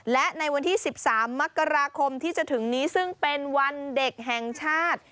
และในวันที่๑๓มกราคมที่จะถึงนี้ซึ่งเป็นวันเด็กแห่งชาติ